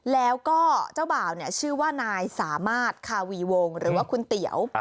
แล้วก็เจ้าบ่าวชื่อว่านายสามารถคาวีวงหรือว่าคุณเตี๋ยว